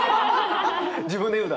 自分で言うんだ。